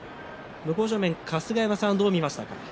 向正面、春日山さんどう見ました。